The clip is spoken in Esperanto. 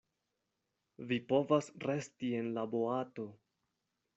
Vi povas resti en la boato.